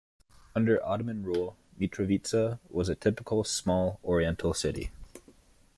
Under Ottoman rule Mitrovica was a typical small Oriental city.